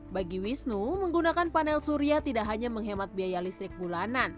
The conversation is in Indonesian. bagi wisnu menggunakan panel surya tidak hanya menghemat biaya listrik bulanan